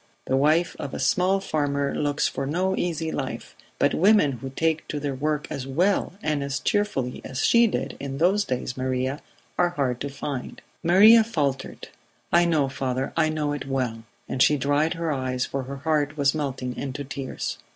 The wife of a small farmer looks for no easy life, but women who take to their work as well and as cheerfully as she did in those days, Maria, are hard to find." Maria faltered: "I know, father; I know it well;" and she dried her eyes for her heart was melting into tears.